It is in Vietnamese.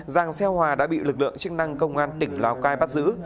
giàng xeo hòa đã bị lực lượng chức năng công an tỉnh lào cai bắt giữ